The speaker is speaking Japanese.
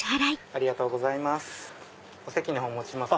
ありがとうございます。